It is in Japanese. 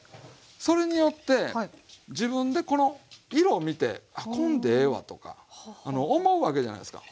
それによって自分でこの色を見てこんでええわとか思うわけじゃないですか。